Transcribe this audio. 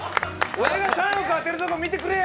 俺が３億当てるとこ見てくれや！